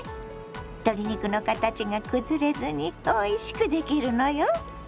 鶏肉の形が崩れずにおいしくできるのよ。